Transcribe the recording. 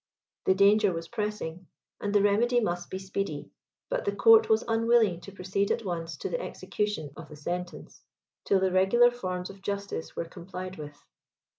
The danger was pressing, and the remedy must be speedy, but the court was unwilling to proceed at once to the execution of the sentence, till the regular forms of justice were complied with.